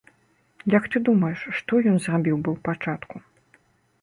Як ты думаеш, што ён зрабіў бы ў пачатку?